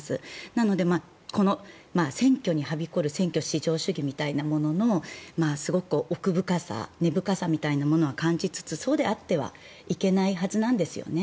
なので、選挙にはびこる選挙至上主義みたいなもののすごく奥深さ根深さみたいなものは感じつつそうであってはいけないはずなんですよね。